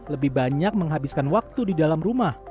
lebih banyak menghabiskan waktu di dalam rumah